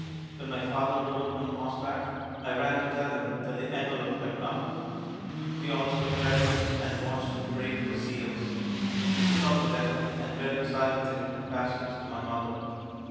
When my father rode up on horseback I ran to tell him that the envelope had come. We all stood breathless and watched him break the seals. He took out the letter and read it silently and passed it to my mother.